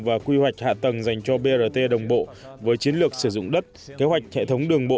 và quy hoạch hạ tầng dành cho brt đồng bộ với chiến lược sử dụng đất kế hoạch hệ thống đường bộ